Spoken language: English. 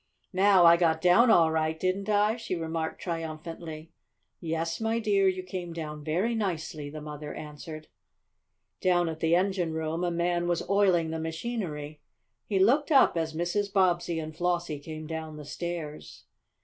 "Now, I got down all right, didn't I?" she remarked triumphantly. "Yes, my dear, you came down very nicely," the mother answered. Down in the engine room a man was oiling the machinery. He looked up as Mrs. Bobbsey and Flossie came down the stairs.